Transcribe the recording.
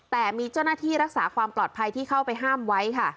แต่มีเจ้าหน้าที่รักษาความปลอดภัยที่เข้าไปห้ามไว้ค่ะ